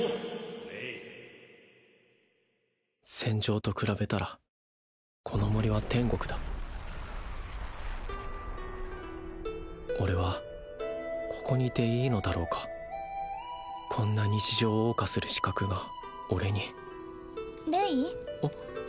戦場と比べたらこの森は天国だ俺はここにいていいのだろうかこんな日常を謳歌する資格が俺にレイ？